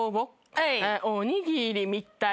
はい。